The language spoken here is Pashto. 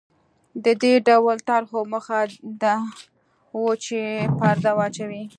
د دې ډول طرحو موخه دا وه چې پرده واچوي.